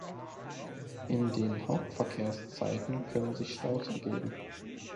In den Hauptverkehrszeiten können sich Staus ergeben.